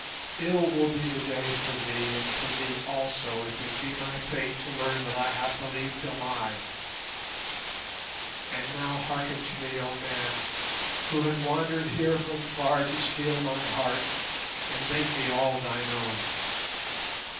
Ill will be the day for thee and for me also if it be my fate to learn that I have believed a lie. And now hearken to me, oh man, who hath wandered here from far to steal my heart and make me all thine own.